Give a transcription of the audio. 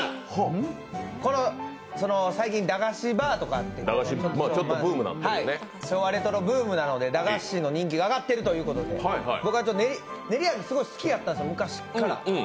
最近、駄菓子バーとかあって、昭和レトロブームなので駄菓子の人気が上がってるというので、僕はねりあめすごい好きやったんです、昔っから。